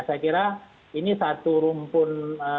saya kira ini satu rumpun